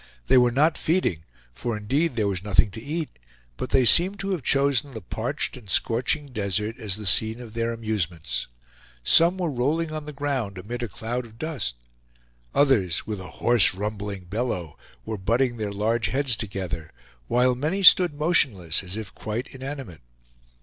They were not feeding, for, indeed, there was nothing to eat; but they seemed to have chosen the parched and scorching desert as the scene of their amusements. Some were rolling on the ground amid a cloud of dust; others, with a hoarse rumbling bellow, were butting their large heads together, while many stood motionless, as if quite inanimate.